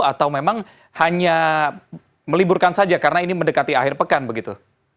atau memang hanya meliburkan saja karena ini mendekati akhir pekan begitu